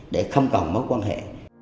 để không còn mối quan hệ